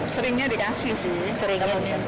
seringnya dikasih sih